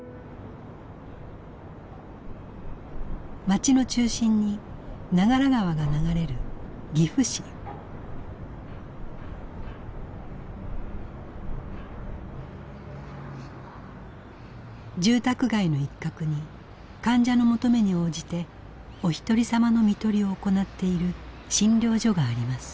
街の中心に長良川が流れる住宅街の一角に患者の求めに応じておひとりさまの看取りを行っている診療所があります。